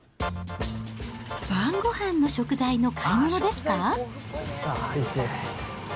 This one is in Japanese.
晩ごはんの食材の買い物ですか？